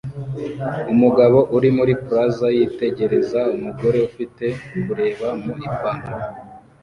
Umugabo uri muri plaza yitegereza umugore ufite kureba mu ipantaro